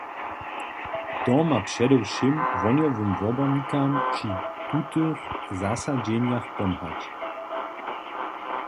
To ma předewšěm wohnjowym wobornikam při tutych zasadźenjach pomhać.